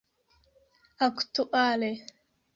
aktuale